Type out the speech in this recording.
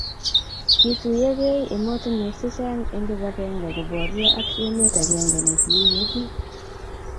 kituyegei emotinwek che chang' eng' kibagenge kuboryo ak emet agenge ne kiimi biik